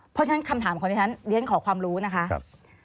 เพราะฉะนั้นคำถามของดิฉันเรียนขอความรู้นะคะ